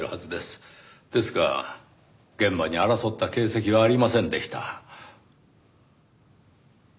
ですが現場に争った形跡はありませんでした。